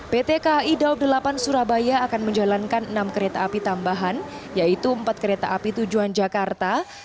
pt kai daob delapan surabaya akan menjalankan enam kereta api tambahan yaitu empat kereta api tujuan jakarta